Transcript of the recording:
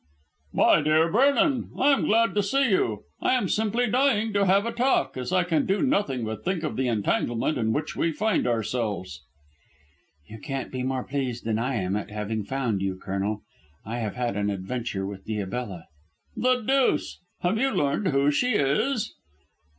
"My dear Vernon, I am glad to see you. I am simply dying to have a talk, as I can do nothing but think of the entanglement in which we find ourselves." "You can't be more pleased than I am at having found you, Colonel. I have had an adventure with Diabella." "The deuce. Have you learned who she is?"